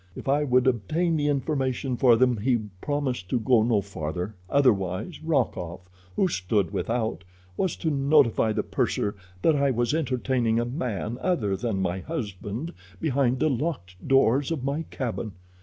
If I would obtain the information for them he promised to go no farther, otherwise Rokoff, who stood without, was to notify the purser that I was entertaining a man other than my husband behind the locked doors of my cabin.